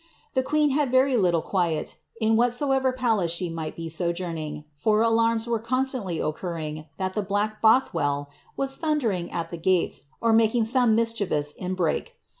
The queen had very hitie quiet, ill whatsoever palace she might be sojuumiiig, for alarms were constanUy occurring that the ^ black Boihwell " was thundering at iht gnle.s or making some mischievous inbreak.